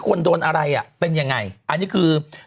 ควรโดนอะไรอ่ะเป็นยังไงอันนี้คือในโลกออนไลน์